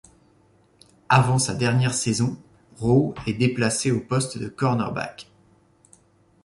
Avant sa dernière saison, Rowe est déplacé au poste de cornerback.